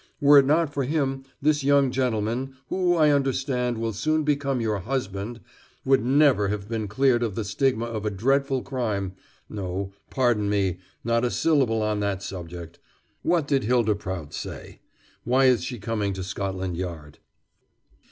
Were it not for him this young gentleman, who, I understand, will soon become your husband, would never have been cleared of the stigma of a dreadful crime.... No, pardon me, not a syllable on that subject.... What did Hylda Prout say? Why is she coming to Scotland Yard?"